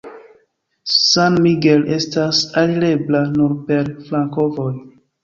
San Miguel estas alirebla nur per flankovoj.